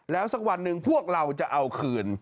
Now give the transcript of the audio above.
แล้วสักวันหนึ่งพวกเราจะเอาคืน